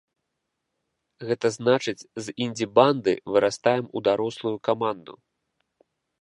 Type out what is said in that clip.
Гэта значыць, з індзі-банды вырастаем ў дарослую каманду.